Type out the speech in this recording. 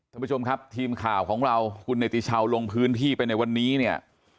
ท่านผู้ชมครับทีมข่าวของเราคุณเนติชาวลงพื้นที่ไปในวันนี้เนี่ย